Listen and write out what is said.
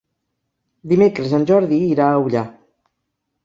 Dimecres en Jordi irà a Ullà.